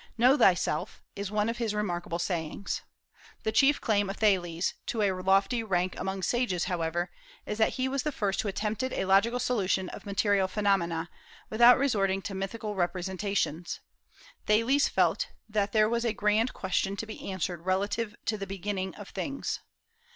"Know thyself," is one of his remarkable sayings. The chief claim of Thales to a lofty rank among sages, however, is that he was the first who attempted a logical solution of material phenomena, without resorting to mythical representations. Thales felt that there was a grand question to be answered relative to the _beginning of things.